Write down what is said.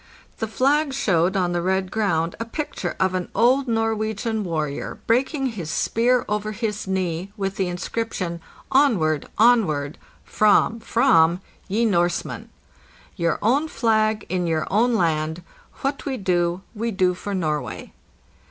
The flag showed on the red scround a picture of an old Norwegian warrior breaking his spear over his knee, with the inscription "Onward! Onward! [Fram ! Fram!], ye Norseman! Your own flag in your own land. What we do we do for Norway."